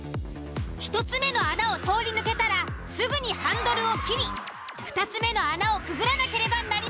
１つ目の穴を通り抜けたらすぐにハンドルを切り２つ目の穴をくぐらなければなりません。